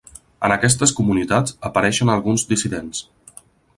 En aquestes comunitats apareixen alguns dissidents.